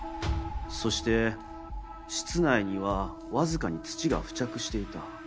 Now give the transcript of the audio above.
そして室内にはわずかに土が付着していた。